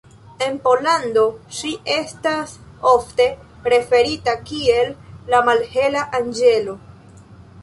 En Pollando, ŝi estas ofte referita kiel "la malhela anĝelo".